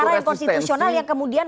cara yang konstitusional yang kemudian